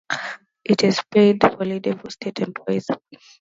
It is a paid holiday for state employees.